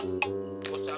kau sampe gue sembar